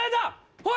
おい！